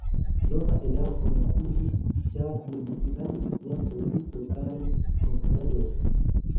Nova erao komenciĝis, ĉar ili muzikadis jam precipe proprajn komponaĵojn.